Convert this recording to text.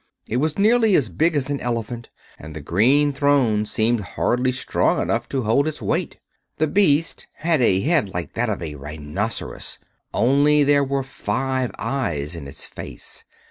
It was nearly as big as an elephant, and the green throne seemed hardly strong enough to hold its weight. The Beast had a head like that of a rhinoceros, only there were five eyes in its face.